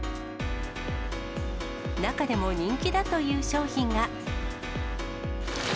中でも人気だという商品が。